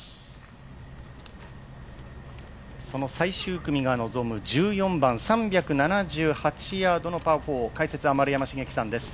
その最終組が臨む１４番３７８ヤードのパー４解説は丸山茂樹さんです。